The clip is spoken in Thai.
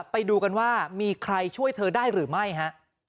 ไปดูกันว่ามีใครช่วยเธอได้หรือไม่ฮะ